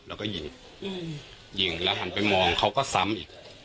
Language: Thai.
แล้วก็หุยหิงหันไปมองเขาก็ซ้ำอีก